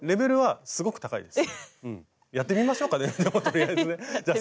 やってみましょうかねとりあえずね。